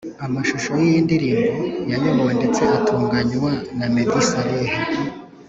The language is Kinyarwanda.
Amashusho y’iyi ndirimbo yayobowe ndetse atunganywa na Meddy Saleh